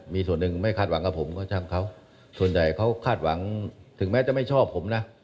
มีส่วนหนึ่งไม่คาดหวังกับผมก็ช่างเขาส่วนใหญ่เขาคาดหวังถึงแม้จะไม่ชอบผมนะ